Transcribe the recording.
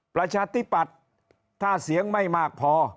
ประชาธิปัตย์ถ้าเสียงไม่มากพอ